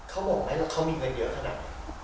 เขาบอกไหมว่าเขามีเงินเยอะขนาดนี้